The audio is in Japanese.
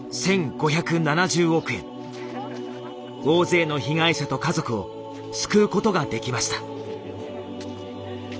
大勢の被害者と家族を救うことができました。